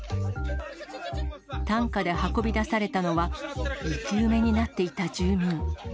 担架で運び出されたのは生き埋めになっていた住民。